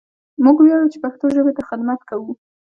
موږ وياړو چې پښتو ژبې ته خدمت کوو!